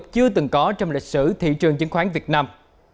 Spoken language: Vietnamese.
kỷ niệm chưa từng có trong lịch sử thị trường chứng khoán việt nam